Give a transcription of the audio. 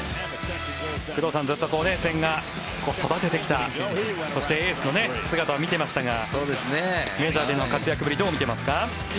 工藤さんずっと千賀、育ててきたそして、エースの姿を見ていましたがメジャーでの活躍ぶりどう見ていますか。